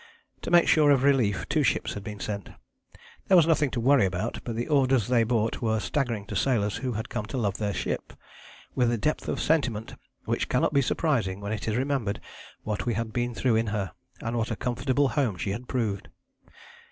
To make sure of relief two ships had been sent. That was nothing to worry about, but the orders they brought were staggering to sailors who had come to love their ship "with a depth of sentiment which cannot be surprising when it is remembered what we had been through in her and what a comfortable home she had proved."